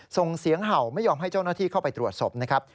ส่งเสียงเห่าไม่ยอมให้เจ้าหน้าที่เข้าไปตรวจศพนะครับ